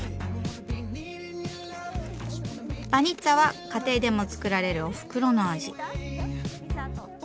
バニッツァは家庭でも作られるおふくろの味。